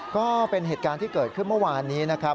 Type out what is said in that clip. ก็เป็นเหตุการณ์ที่เกิดขึ้นเมื่อวานนี้นะครับ